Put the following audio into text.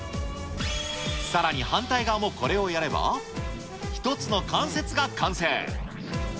さらに反対側もこれをやれば、１つの関節が完成。